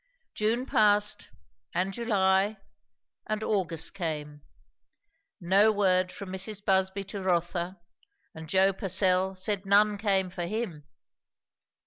June passed, and July, and August came. No word from Mrs. Busby to Rotha, and Joe Purcell said none came for him.